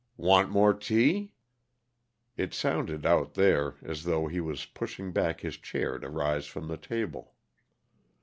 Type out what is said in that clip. "Want more tea?" It sounded, out there, as though he was pushing back his chair to rise from the table.